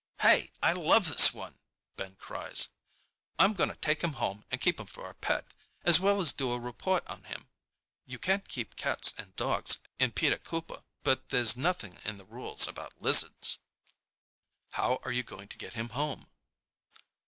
"Hey, I love this one!" Ben cries. "I'm going to take him home and keep him for a pet, as well as do a report on him. You can't keep cats and dogs in Peter Cooper, but there's nothing in the rules about lizards." "How are you going to get him home?"